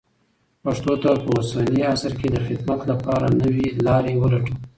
پښتو ته په اوسني عصر کې د خدمت لپاره نوې لارې ولټوئ.